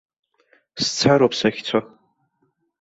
Сцароуп сахьцо!